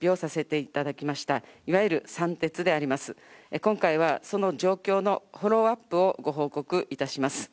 今回はその状況のフォローアップをご報告いたします。